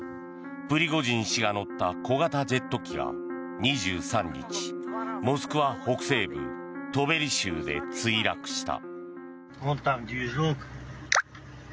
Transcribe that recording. プリゴジン氏が乗った小型ジェット機が２３日モスクワ北西部トベリ州で墜落した。